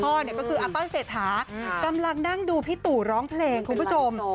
ก็คืออาต้อยเศรษฐากำลังนั่งดูพี่ตู่ร้องเพลงคุณผู้ชม